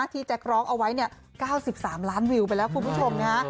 ที่แจ๊กร็อกเอาไว้เนี่ย๙๓ล้านวิวไปแล้วคุณผู้ชมนะ